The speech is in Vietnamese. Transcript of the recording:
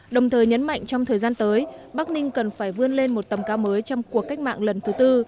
đồng thời nhấn mạnh trong thời gian tới bắc ninh cần phải vươn lên một tầm cao mới trong cuộc cách mạng lần thứ tư